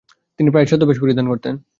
তিনি প্রায়ই ছদ্মবেশ পরিধান করতেন।